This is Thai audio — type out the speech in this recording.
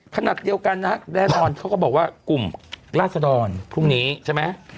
ขนาดเดียวกันนะฮะแน่นอนเขาก็บอกว่ากลุ่มราศดรพรุ่งนี้ใช่ไหม